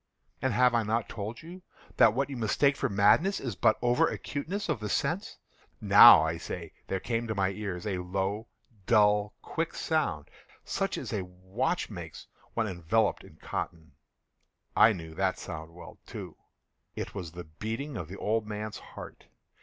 And have I not told you that what you mistake for madness is but over acuteness of the sense?—now, I say, there came to my ears a low, dull, quick sound, such as a watch makes when enveloped in cotton. I knew that sound well, too. It was the beating of the old man's heart.